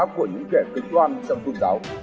của những kẻ tích toan trong tuần giáo